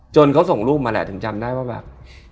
เขาส่งรูปมาแหละถึงจำได้ว่าแบบ